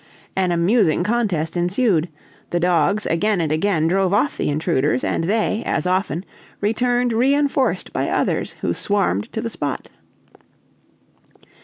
An amusing contest ensued; the dogs again and again drove off the intruders, and they, as often, returned re enforced by others who swarmed to the spot.